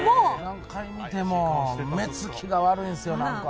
何回見ても、目つきが悪いんですよ、なんか。